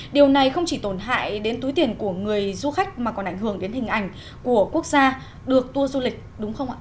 điều này không chỉ tổn hại đến túi tiền của người du khách mà còn ảnh hưởng đến hình ảnh của quốc gia được tour du lịch đúng không ạ